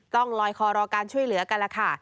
ต้องลอยคอรอการช่วยเหลือกันล่ะค่ะ